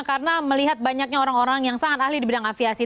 karena melihat banyaknya orang orang yang sangat ahli di bidang aviasi